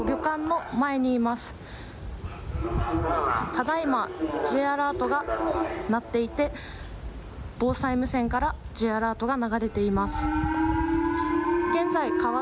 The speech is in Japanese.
ただいまＪアラートが鳴っていて防災無線からＪアラートが流れています。